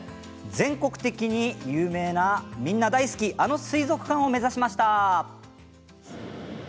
全国的に有名なみんな大好きなあの水族館を目指しました。